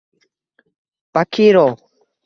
bakiroo